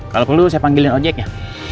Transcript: kalau perlu saya panggilin ojeknya